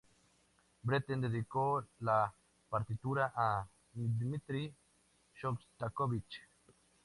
Britten dedicó la partitura a Dmitri Shostakovich.